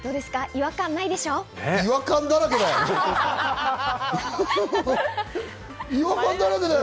違和感だらけだよ。